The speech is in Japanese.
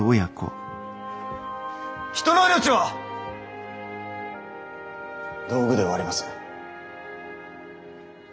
人の命は道具ではありません。